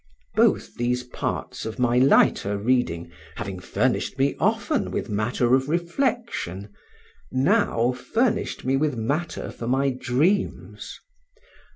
Both these parts of my lighter reading, having furnished me often with matter of reflection, now furnished me with matter for my dreams.